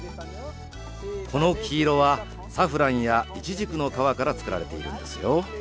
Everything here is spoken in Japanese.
この黄色はサフランやイチジクの皮から作られているんですよ。